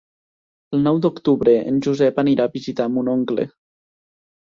El nou d'octubre en Josep anirà a visitar mon oncle.